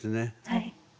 はい。